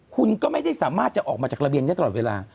คุณก็ไม่ได้สามารถจะออกมาจากระเบียงได้ตลอดเวลา